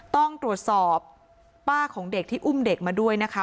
ต้องตรวจสอบป้าของเด็กที่อุ้มเด็กมาด้วยนะคะ